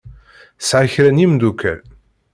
Tesɛa kra n yemdukal.